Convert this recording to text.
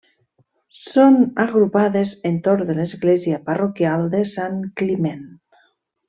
Són agrupades entorn de l'església parroquial de Sant Climent.